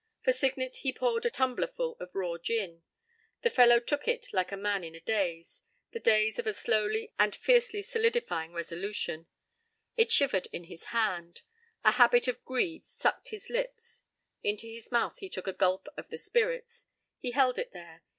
p> For Signet he poured out a tumblerful of raw gin. The fellow took it like a man in a daze—the daze of a slowly and fiercely solidifying resolution. It shivered in his hand. A habit of greed sucked his lips. Into his mouth he took a gulp of the spirits. He held it there.